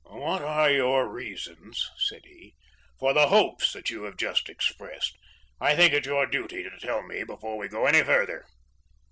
"What are your reasons," said he, "for the hopes you have just expressed? I think it your duty to tell me before we go any further."